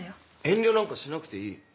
遠慮なんかしなくていい。